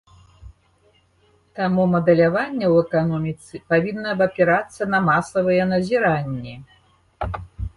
Таму мадэляванне ў эканоміцы павінна абапірацца на масавыя назіранні.